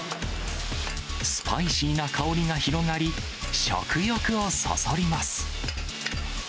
スパイシーな香りが広がり、食欲をそそります。